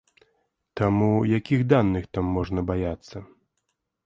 Таму, якіх даных там можна баяцца?